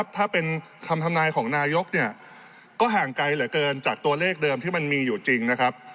ถ้าเป็นคำทำนายของนายกเนี่ยก็ห่างไกลเหลือเกินจากตัวเลขเดิมที่มันมีอยู่จริงนะครับ